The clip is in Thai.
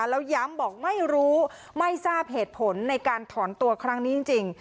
แล้วย้ำบอกไม่รู้ไม่ทราบเหตุผลในการถอนตัวครั้งนี้จริง